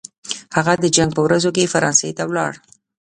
هغه د جنګ په ورځو کې فرانسې ته ولاړ.